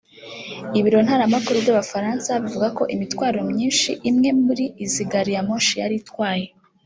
Ibiro ntaramakuru by’Abafaransa bivuga ko imitwaro myinshi imwe muri izi gari ya moshi yari itwaye